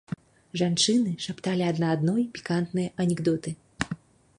Жанчыны шапталі адна адной пікантныя анекдоты.